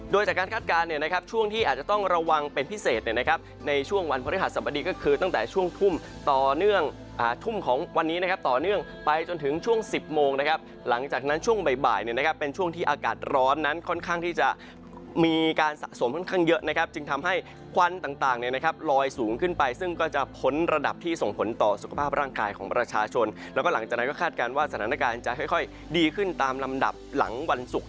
โดยจากการคาดการณ์เนี่ยนะครับช่วงที่อาจจะต้องระวังเป็นพิเศษนะครับในช่วงวันพฤหัสบดีก็คือตั้งแต่ช่วงทุ่มต่อเนื่องทุ่มของวันนี้นะครับต่อเนื่องไปจนถึงช่วง๑๐โมงนะครับหลังจากนั้นช่วงบ่ายเนี่ยนะครับเป็นช่วงที่อากาศร้อนนั้นค่อนข้างที่จะมีการสะสมค่อนข้างเยอะนะครับจึงทำให้ควันต